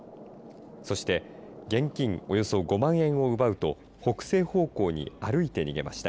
そして現金およそ５万円を奪うと北西方向に歩いて逃げました。